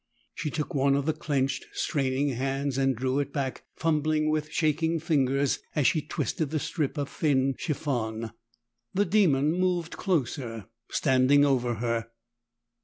She took one of the clenched, straining hands, and drew it back, fumbling with shaking fingers as she twisted the strip of thin chiffon. The demon moved closer, standing over her.